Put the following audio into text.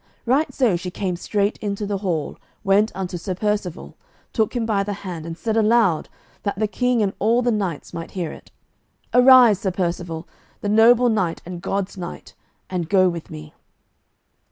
Right so she came straight into the hall, went unto Sir Percivale, took him by the hand, and said aloud, that the King and all the knights might hear it, "Arise, Sir Percivale, the noble knight and God's knight, and go with me."